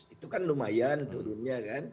itu kan lumayan turunnya kan